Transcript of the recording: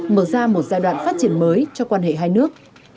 mở ra một giai đoạn phát triển mới cho quan hệ hai nước